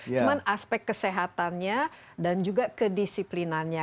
cuma aspek kesehatannya dan juga kedisiplinannya